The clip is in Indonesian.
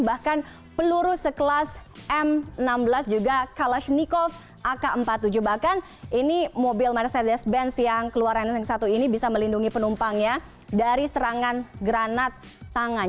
bahkan peluru sekelas m enam belas juga kalashnikov ak empat puluh tujuh bahkan ini mobil mercedes benz yang keluaran ring satu ini bisa melindungi penumpangnya dari serangan granat tangan